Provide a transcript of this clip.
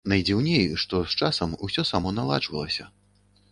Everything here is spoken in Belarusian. Найдзіўней, што з часам усё само наладжвалася.